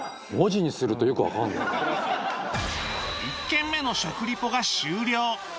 １軒目の食リポが終了